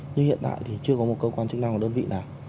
nhưng hiện tại thì chưa có một cơ quan trinh thống của đơn vị nào